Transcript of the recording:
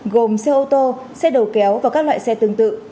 gồm xe ô tô xe đầu kéo và các loại xe tương tự